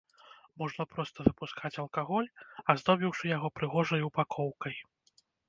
Можна проста выпускаць алкаголь, аздобіўшы яго прыгожай ўпакоўкай.